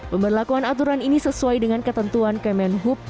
pemberlakuan aturan ini sesuai dengan ketentuan kemenhub